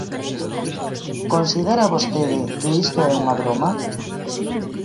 ¿Considera vostede que isto é unha broma?